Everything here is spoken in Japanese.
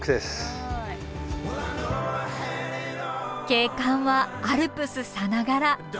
景観はアルプスさながら！